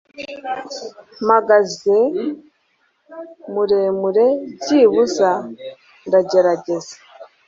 Mpagaze muremure byibuze ndagerageza